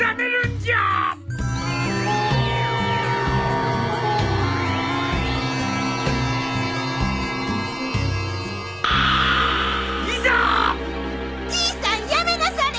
じいさんやめなされ！